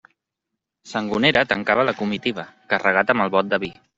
Sangonera tancava la comitiva, carregat amb el bot de vi.